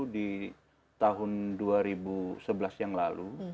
di tahun dua ribu sebelas yang lalu